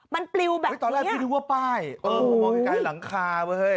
มันปลิวแบบนี้อะตอนแรกพี่ดูว่าป้ายเออหมอบกันได้หลังคาเม้ย